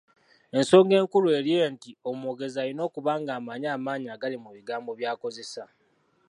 Ensonga enkulu eri nti omwogezi alina okuba ng’amanyi amaanyi agali mu bigambo by’akozesa.